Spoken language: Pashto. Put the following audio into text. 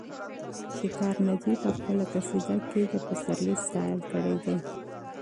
ښکارندوی په خپله قصیده کې د پسرلي ستایل کړي دي.